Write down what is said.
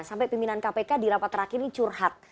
sampai pimpinan kpk di rapat terakhir ini curhat